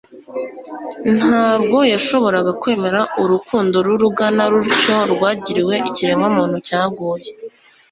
Ntabwo yashoboraga kwemera urukundo rurugana rutyo rwagiriwe ikiremwamuntu cyaguye.